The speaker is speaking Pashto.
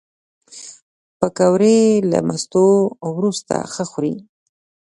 پکورې له مستو وروسته ښه خوري